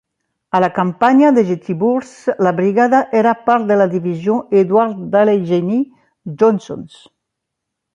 A la campanya de Gettysburg, la brigada era part de la divisió Edward "Allegheny" Johnson's.